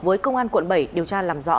với công an quận bảy điều tra làm rõ